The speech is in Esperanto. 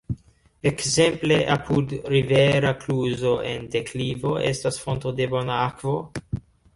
Ekzemple apud rivera kluzo en deklivo estas fonto de bona akvo.